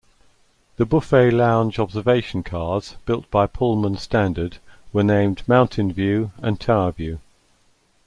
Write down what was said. The buffet-lounge-observation cars built by Pullman Standard were named "Mountain View" and "Tower View".